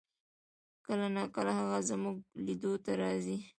کله نا کله هغه زمونږ لیدو ته راځي